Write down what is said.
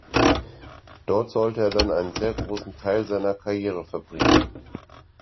Dort sollte er dann einen sehr großen Teil seiner Karriere verbringen.